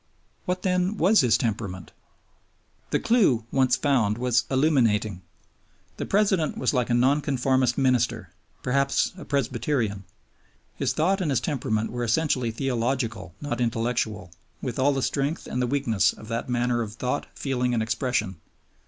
What, then, was his temperament? The clue once found was illuminating. The President was like a Nonconformist minister, perhaps a Presbyterian. His thought and his temperament wore essentially theological not intellectual, with all the strength and the weakness of that manner of thought, feeling, and expression.